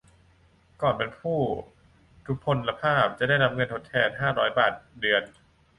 ก่อนเป็นผู้ทุพพลภาพ จะได้รับเงินทดแทน ห้าร้อย บาทเดือน